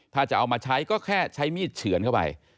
ถ้าจะเอามาใช้ก็แค่ใช้มีดเฉือนเข้าไป